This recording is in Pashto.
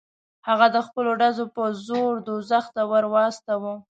هغه د خپلو ډزو په زور دوزخ ته ور واستاوه.